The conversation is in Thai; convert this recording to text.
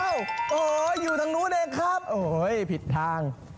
โอ้โหอยู่ทางนู้นเองครับโอ้โหผิดทาง